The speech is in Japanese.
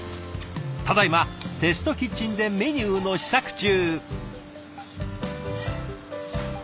ただいまテストキッチンでメニューの試作中。